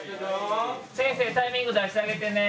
先生タイミング出してあげてね。